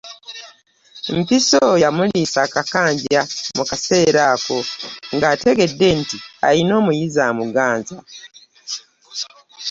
Mpiso yamuliisa akakanja mu kaseera ako ng'ategedde nti ayina omuyizi amuganza.